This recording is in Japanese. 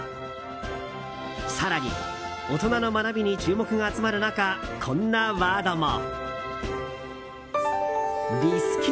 更に、大人の学びに注目が集まる中こんなワードも。